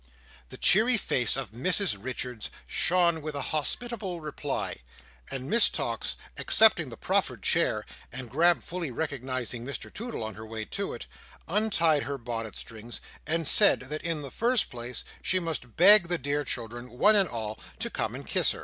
The cheery face of Mrs Richards shone with a hospitable reply, and Miss Tox, accepting the proffered chair, and gracefully recognising Mr Toodle on her way to it, untied her bonnet strings, and said that in the first place she must beg the dear children, one and all, to come and kiss her.